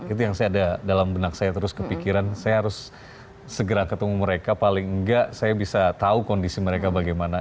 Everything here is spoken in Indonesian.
itu yang saya ada dalam benak saya terus kepikiran saya harus segera ketemu mereka paling enggak saya bisa tahu kondisi mereka bagaimana